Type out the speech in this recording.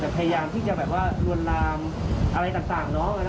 แต่พยายามที่จะรวนรามอะไรต่างน้อง